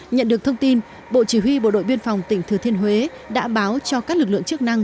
nhận được thông tin bộ chỉ huy bộ đội biên phòng tỉnh thừa thiên huế đã báo cho các lực lượng chức năng